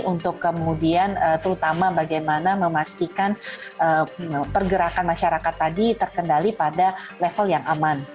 untuk kemudian terutama bagaimana memastikan pergerakan masyarakat tadi terkendali pada level yang aman